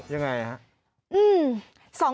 ยังไงครับ